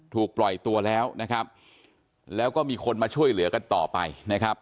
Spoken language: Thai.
ถูกปล่อยตัวแล้วนะครับแล้วก็มีคนมาช่วยเหลือกันต่อไปนะครับ